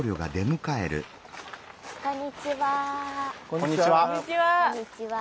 こんにちは。